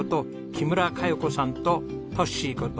木村香葉子さんとトッシーこと